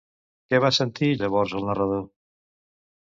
Què va sentir llavors el narrador?